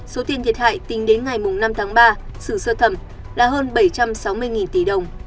số tiền thiệt hại tính đến ngày năm tháng ba xử sơ thẩm là hơn bảy trăm sáu mươi tỷ đồng